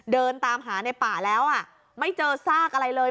เดินตามหาในป่าแล้วไม่เจอซากอะไรเลย